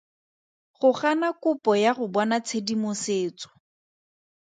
Go gana kopo ya go bona tshedimosetso.